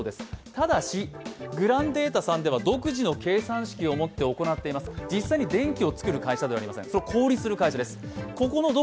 ただし、グランデータさんでは独自の計算式をもって行っています、実際に電気をつくる会社ではありません、小売をする会社です。